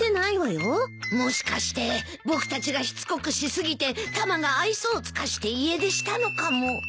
もしかして僕たちがしつこくし過ぎてタマが愛想を尽かして家出したのかも。